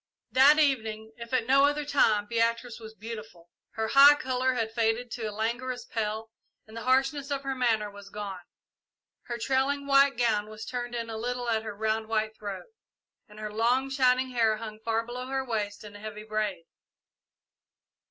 That evening, if at no other time, Beatrice was beautiful. Her high colour had faded to a languorous paleness, and the harshness of her manner was gone. Her trailing white gown was turned in a little at her round, white throat, and her long, shining hair hung far below her waist in a heavy braid.